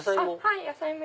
野菜も。